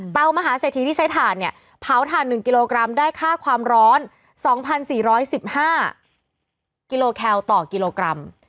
ตามหาเศรษฐีที่ใช้ถ่านเนี่ยเผาถ่าน๑กิโลกรัมได้ค่าความร้อน๒๔๑๕กิโลแคลต่อกิโลกรัม